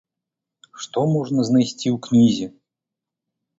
Што можна знайсці ў кнізе?